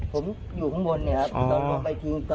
ผมอยู่ข้างบนนี่ครับ